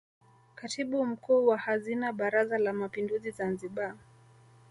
Katibu Mkuu wa Hazina Baraza la Mapinduzi Zanzibar